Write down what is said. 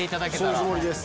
そのつもりです。